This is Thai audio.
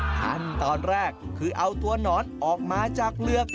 ขั้นตอนแรกคือเอาตัวหนอนออกมาจากเปลือก